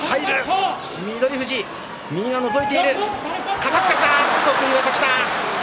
肩すかしだ、得意技きた。